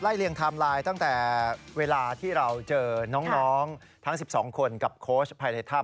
เลียงไทม์ไลน์ตั้งแต่เวลาที่เราเจอน้องทั้ง๑๒คนกับโค้ชภายในถ้ำ